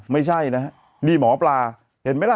ไม่ใช่นะฮะนี่หมอปลาเห็นไหมล่ะ